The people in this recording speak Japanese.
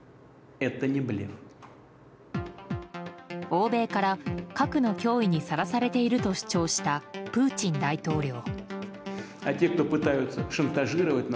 欧米から、核の脅威にさらされていると主張したプーチン大統領。